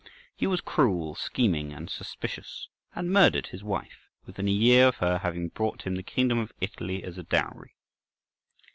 He was cruel, scheming, and suspicious, and murdered his wife, within a year of her having brought him the kingdom of Italy as a dowry.